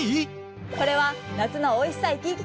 これは夏のおいしさいきいき！